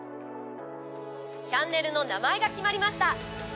チャンネルの名前が決まりました。